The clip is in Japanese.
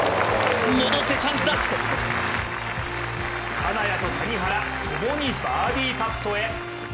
金谷と谷原共にバーディーパットへ。